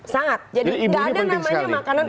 sangat jadi nggak ada namanya makanan